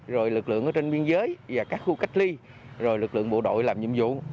rồi lực lượng ở trên biên giới và các khu cách ly rồi lực lượng bộ đội làm nhiệm vụ